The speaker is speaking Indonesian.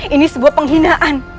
ini sebuah penghinaan